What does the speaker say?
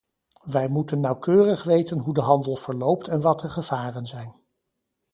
Wij moeten nauwkeurig weten hoe de handel verloopt en wat de gevaren zijn.